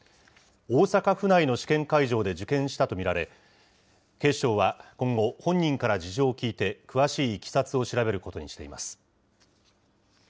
大阪府内の試験会場で受験したと見られ、警視庁は、今後、本人から事情を聴いて、詳しいいきさつを調べることにしています。